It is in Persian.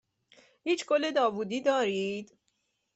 هیچ گل داوودی دارید؟